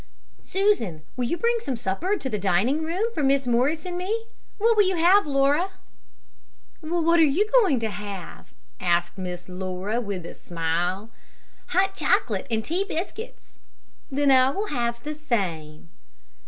"Susan, will you bring some supper to the dining room, for Miss Morris and me? What will you have, Laura?" "What are you going to have?" asked Miss Laura, with a smile. "Hot chocolate and tea biscuits." "Then I will have the same."